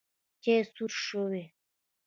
چای سوړ شوی